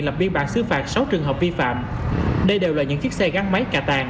lập biên bản xứ phạt sáu trường hợp vi phạm đây đều là những chiếc xe gắn máy cà tàn